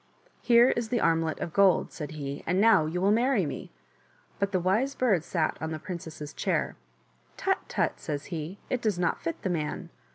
" Here is the armlet of gold," said he, " and now will you many me !" But the Wise Bird sat on the princess's chain " Hut ! tut !" says he, " it does not fit the man."